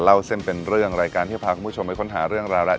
เล่าเส้นเป็นเรื่องรายการที่พาคุณผู้ชมไปค้นหาเรื่องราวแล้ว